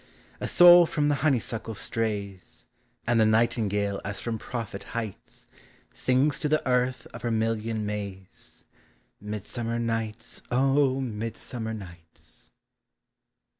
A soul from the honeysuckle strays, And the nightingale as from prophet heights Sings to the earth of her million Mays — Midsummer nights! O midsummer uights!